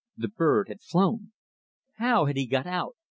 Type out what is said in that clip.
The bird had flown! How had he got out?